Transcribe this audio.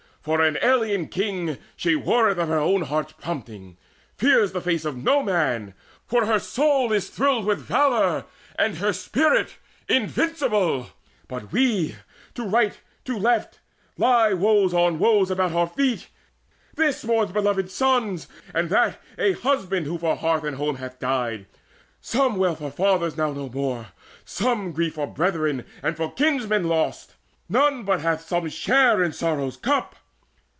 For an alien king She warreth of her own heart's prompting, fears The face of no man; for her soul is thrilled With valour and with spirit invincible. But we to right, to left, lie woes on woes About our feet: this mourns beloved sons, And that a husband who for hearth and home Hath died; some wail for fathers now no more; Some grieve for brethren and for kinsmen lost. Not one but hath some share in sorrow's cup.